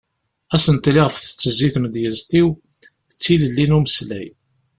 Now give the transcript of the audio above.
Asentel iɣef tettezzi tmedyezt-iw d tilelli n umeslay.